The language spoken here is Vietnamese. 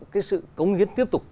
cái sự cống hiến tiếp tục